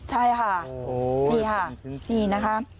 ใช่ค่ะนี่ค่ะนี่นะคะ